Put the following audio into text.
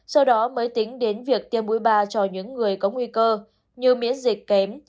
sau đó mới tính đến việc tiêm mũi ba cho những người có nguy cơ như miễn dịch kém